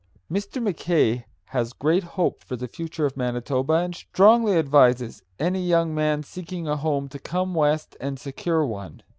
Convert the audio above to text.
Mr. Mackay has great hope for the future of Manitoba, and strongly advises any young man seeking a home to come west and secure one.